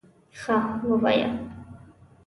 _ښه، ووايه!